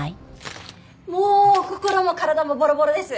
もう心も体もボロボロです。